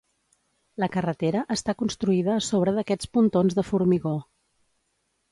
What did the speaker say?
La carretera està construïda a sobre d'aquests pontons de formigó.